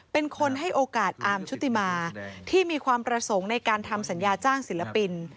เป็นคนให้โอกาสอาร์มชุติมาที่มีความประสงค์ในการทำสัญญาจ้างศิลปิน